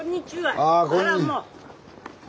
あらもう。